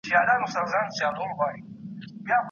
د لویې جرګي غړي کله له ولسمشر سره مخامخ او جدي خبري کوي؟